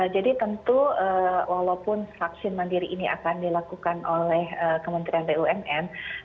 jadi tentu walaupun vaksin mandiri ini akan dilakukan oleh kementerian bumn